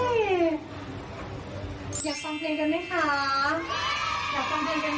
เย้อยากฟังเพลงกันไหมคะอยากฟังเพลงกันน่ะ